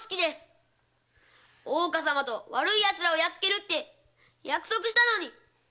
大岡様と悪い奴らをやっつけるって約束したのに！